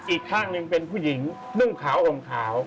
อีกข้างหนึ่งเป็นผู้หญิงนุ่งขาวอมขาว